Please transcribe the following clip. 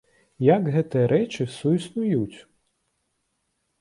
Як гэтыя рэчы суіснуюць?